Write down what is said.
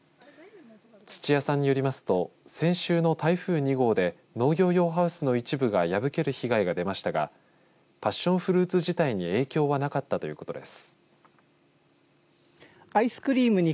土屋さんによりますと先週の台風２号で農業用ハウスの一部が破ける被害が出ましたがパッションフルーツ自体に影響はなかったということです。